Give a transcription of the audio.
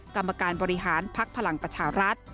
กรรมการบริหารภักดิ์พลังประชารัฐ